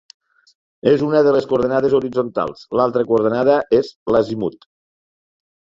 És una de les coordenades horitzontals; l'altra coordenada és l'azimut.